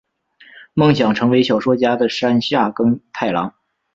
梦想成为小说家的山下耕太郎！